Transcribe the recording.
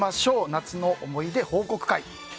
夏の思い出報告会。